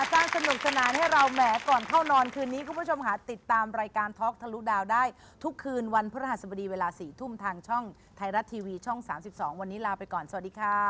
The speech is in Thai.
การสนุกสนานให้เราแหมก่อนเข้านอนคืนนี้คุณผู้ชมค่ะติดตามรายการท็อกทะลุดาวได้ทุกคืนวันพระหัสบดีเวลา๔ทุ่มทางช่องไทยรัฐทีวีช่อง๓๒วันนี้ลาไปก่อนสวัสดีค่ะ